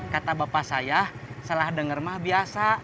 kata bapak saya salah dengar mah biasa